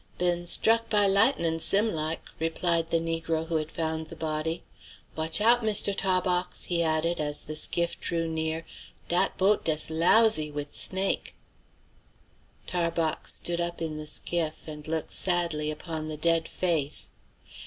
"Been struck by lightnin' sim like," replied the negro who had found the body. "Watch out, Mistoo Tah bawx!" he added, as the skiff drew near; "dat boat dess lousy wid snake'!" Tarbox stood up in the skiff and looked sadly upon the dead face.